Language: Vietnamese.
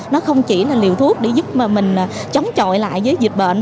nó không chỉ là liều thuốc để giúp mà mình chống chọi lại với dịch bệnh